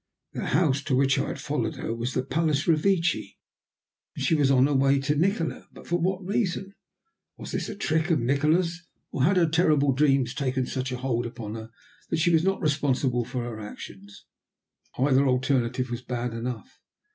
The house to which I had followed her was the Palace Revecce, and she was on her way to Nikola! But for what reason? Was this a trick of Nikola's, or had her terrible dreams taken such a hold upon her that she was not responsible for her actions? Either alternative was bad enough.